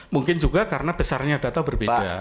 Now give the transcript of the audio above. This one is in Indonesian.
mungkin juga karena besarnya data berbeda